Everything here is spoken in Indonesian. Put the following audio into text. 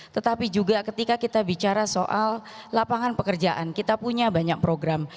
tetapi juga ketika kita bicara soal lapangan pekerjaan kita punya banyak program